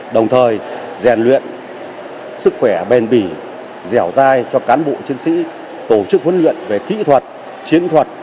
đồng thời rèn luyện sức khỏe bền bỉ dẻo dai cho cán bộ chiến sĩ tổ chức huấn luyện về kỹ thuật chiến thuật